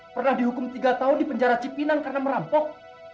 pernah dihukum tiga tahun di penjara cipinang karena merampok